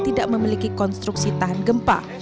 tidak memiliki konstruksi tahan gempa